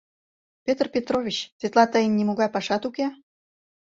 Петыр Петрович, тетла тыйын нимогай пашат уке?